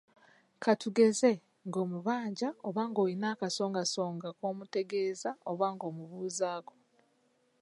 Ka tugeze ng’omubanja oba ng’olina akasongasonga k’omutegeeza oba ng’omubuuzaako.